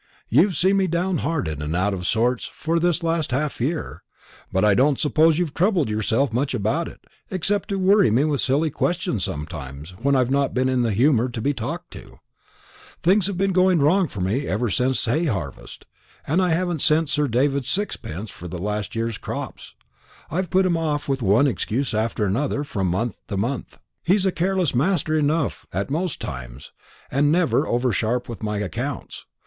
You've seen me downhearted and out of sorts for this last half year; but I don't suppose you've troubled yourself much about it, except to worry me with silly questions sometimes, when I've not been in the humour to be talked to. Things have been going wrong with me ever since hay harvest, and I haven't sent Sir David sixpence yet for last year's crops. I've put him off with one excuse after another from month to month. He's a careless master enough at most times, and never over sharp with my accounts.